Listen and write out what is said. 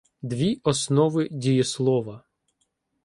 Дві основи дієслова